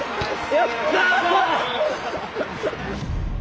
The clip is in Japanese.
やった！